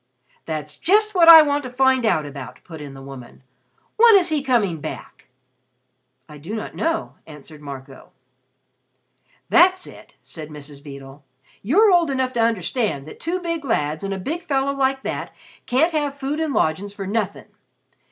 "That's just what I want to find out about," put in the woman. "When is he coming back?" "I do not know," answered Marco. "That's it," said Mrs. Beedle. "You're old enough to understand that two big lads and a big fellow like that can't have food and lodgin's for nothing.